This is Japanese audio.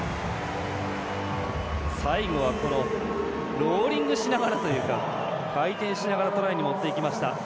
最後はローリングしながらというか回転しながらトライにもっていきました。